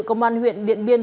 công an huyện điện biên